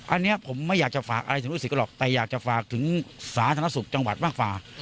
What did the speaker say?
อันนี้ผมไม่อยากจะฝากอะไรสนุกสิทธิ์ก็หรอกแต่อยากจะฝากถึงสาธารณสุทธิ์จังหวัดมาฝ่า